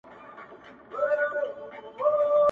چي له شا څخه یې خلاص د اوږو بار کړ!!